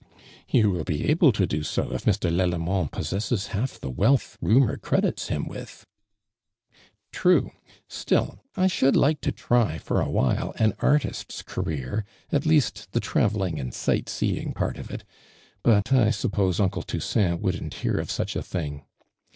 " You will be able to do so if Mr, Lalle niitnd possesses half the wealth rumor credits him with." •' True ! Still, I should like to try for a while, an artist's cjireer, at least the tra velling and sightseeing part of it ; but, I suppose, imcle Toussaint woxddn't hear of suciiathing!